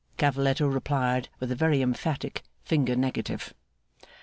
Cavalletto replied with a very emphatic finger negative.